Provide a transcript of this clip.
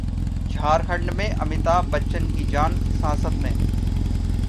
झारखंड में अमिताभ बच्चन की जान सांसत में!